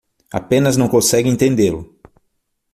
Apenas não consegue entendê-lo